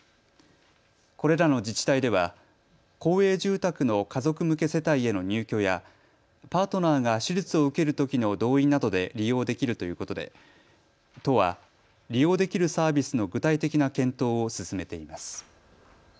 これらの自治体では公営住宅の家族向け世帯への入居やパートナーが手術を受けるときの同意などで利用できるということで都は利用できるサービスの具体的な検討を進めています。